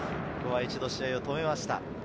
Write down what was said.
一度、試合を止めました。